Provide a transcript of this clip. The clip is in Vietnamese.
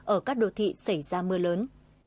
ở các đồ thị xảy ra mưa lớn